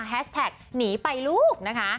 แท็กหนีไปลูกนะคะ